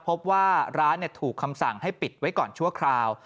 พบว่าร้านถูกคำสั่งให้ปิดไว้ก่อนชั่วคราว